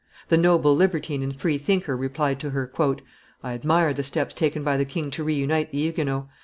The noble libertine and freethinker replied to her, "I admire the steps taken by the king to reunite the Huguenots.